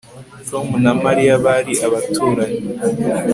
Tom na Mariya bari abaturanyi